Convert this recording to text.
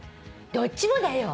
どっちもだよ！